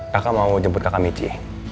kakak mau jemput kakak michi